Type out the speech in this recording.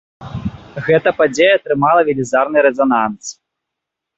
Гэта падзея атрымала велізарны рэзананс.